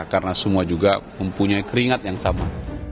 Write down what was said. karena semua juga mempunyai keringat yang sama